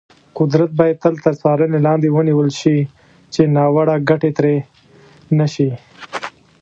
قدرت باید تل تر څارنې لاندې ونیول شي، چې ناوړه ګټه ترې نه شي.